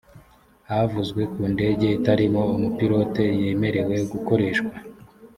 havuzwe ku ndege itarimo umupilote yemerewe gukoreshwa